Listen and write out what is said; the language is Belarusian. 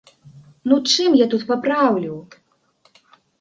Ну чым я тут папраўлю?!